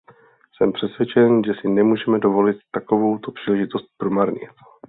Jsem přesvědčen, že si nemůžeme dovolit takovouto příležitost promarnit.